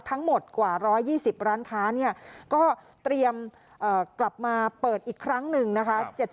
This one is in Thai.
ทั้งหมดกว่า๑๒๐ร้านค้าเนี่ยก็เตรียมกลับมาเปิดอีกครั้งหนึ่งนะคะ